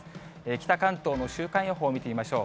北関東の週間予報を見てみましょう。